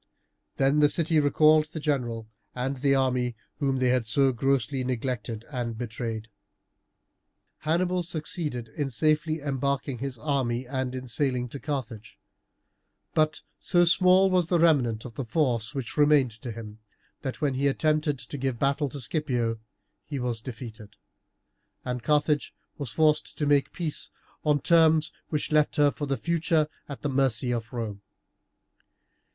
Then the city recalled the general and the army whom they had so grossly neglected and betrayed. Hannibal succeeded in safely embarking his army and in sailing to Carthage; but so small was the remnant of the force which remained to him, that when he attempted to give battle to Scipio he was defeated, and Carthage was forced to make peace on terms which left her for the future at the mercy of Rome.